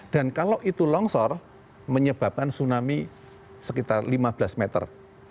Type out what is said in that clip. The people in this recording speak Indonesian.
kalau itu longsor menyebabkan tsunami sekitar lima belas meter